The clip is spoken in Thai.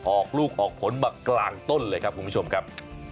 ออกลูกออกผลมากลางต้นเลยครับคุณผู้ชมครับ